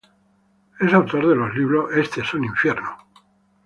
Es autor de los libros "Esto es un infierno.